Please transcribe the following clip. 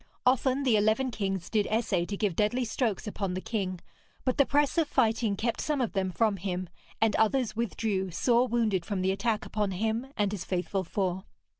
Often the eleven kings did essay to give deadly strokes upon the king, but the press of fighting kept some of them from him, and others withdrew sore wounded from the attack upon him and his faithful four.